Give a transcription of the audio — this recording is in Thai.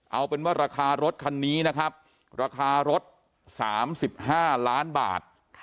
เอาเป็นว่าราคารถคันนี้นะครับราคารถ๓๕ล้านบาท